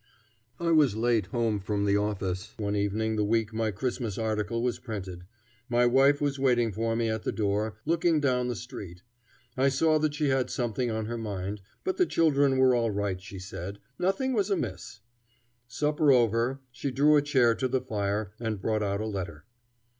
I was late home from the office one evening the week my Christmas article was printed. My wife was waiting for me at the door, looking down the street. I saw that she had something on her mind, but the children were all right, she said; nothing was amiss. Supper over, she drew a chair to the fire and brought out a letter.